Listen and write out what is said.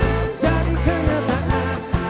usulkan mimpi yang